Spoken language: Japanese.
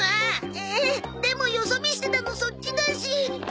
えでもよそ見してたのそっちだし。